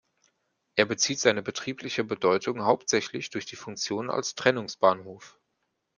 Er bezieht seine betriebliche Bedeutung hauptsächlich durch die Funktion als Trennungsbahnhof.